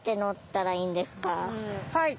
はい。